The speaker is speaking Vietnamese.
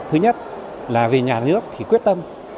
thứ nhất là về nhà nước thì quyết tâm